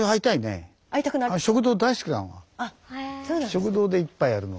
食堂で一杯やるの。